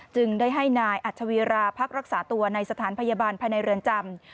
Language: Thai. จึงได้ให้นายอัชวีราพักรักษาตัวในสถานพยาบาลภายในเรือนจำ